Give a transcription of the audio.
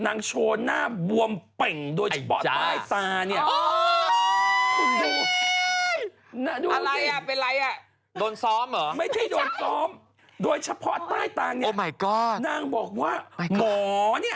โชว์หน้าบวมเป่งโดยเฉพาะใต้ตาเนี่ย